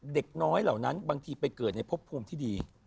เด็กน้อยเหล่านั้นบางทีไปเกิดในพบภูมิที่ดี